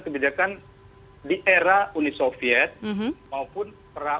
kebijakan di era uni soviet maupun perang